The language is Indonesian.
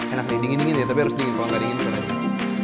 enak nih dingin dingin ya tapi harus dingin kalau enggak dingin benar benar